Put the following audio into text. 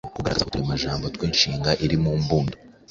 Kugaragaza uturemajambo tw’inshinga iri mu mbundo